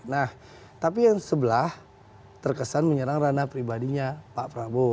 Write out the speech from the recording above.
nah tapi yang sebelah terkesan menyerang ranah pribadinya pak prabowo